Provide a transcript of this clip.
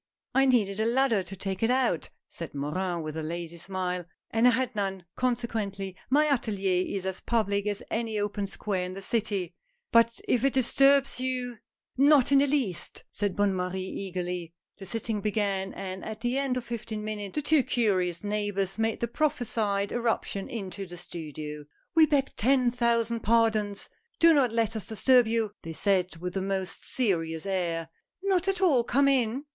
" I needed a ladder to take it out," said Morin with a lazy smile, " and I had none, consequently my atdlier is as public as any open square in the city; but if it disturbs you " 140 HOW PICTURES ARE MADE. " Not in the least," said Bonne Marie, eagerly. The sitting began, and at the end of fifteen minutes, the two curious neighbors made the prophesied erup tion into the studio. "We beg ten thousand pardons! Do not let us disturb you," they said with a most serious air. "Not at all, come in!